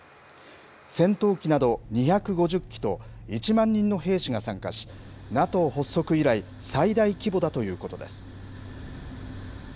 戦闘機など２５０機と、１万人の兵士が参加し、ＮＡＴＯ発足以来、最大規模だということです。